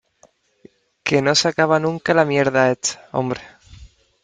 que no se acaba nunca la mierda esta , hombre .